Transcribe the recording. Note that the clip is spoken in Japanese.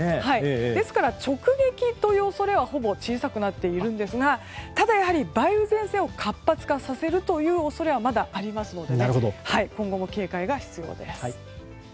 ですから、直撃という恐れは小さくなっているんですがただ、やはり梅雨前線を活発化させる恐れがあるので今後も警戒が必要です。